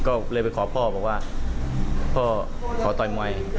ก็เลยไปขอพ่อบอกว่าพ่อขอต่อยมวย